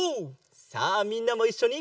さあみんなもいっしょに！